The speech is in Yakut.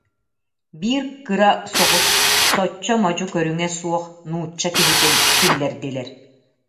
Биир кыра соҕус, соччо модьу көрүҥэ суох нуучча киһитин киллэрдилэр